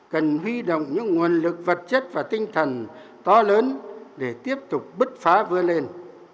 cần huy động những nguồn lực vật chất và tinh thần to lớn để tiếp tục bứt phá vươn lên